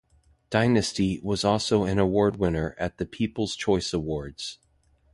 "Dynasty" was also an award winner at the People's Choice Awards.